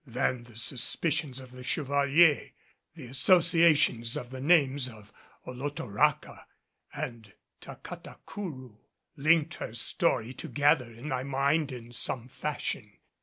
Then the suspicions of the Chevalier, the association of the names of Olotoraca and Tacatacourou linked her story together in my mind in some fashion.